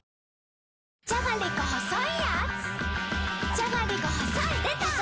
じゃがりこ細いやーつ